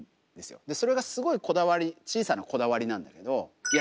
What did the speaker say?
それがすごいこだわり小さなこだわりなんだけどいや